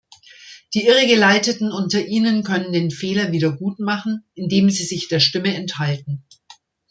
Die Irregeleiteten unter Ihnen können den Fehler wiedergutmachen, indem sie sich der Stimme enthalten.